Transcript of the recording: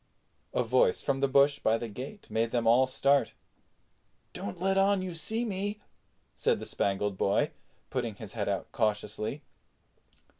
A voice from the bush by the gate made them all start. "Don't let on you see me," said the Spangled Boy, putting his head out cautiously.